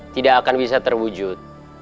tidak akan bisa terwujud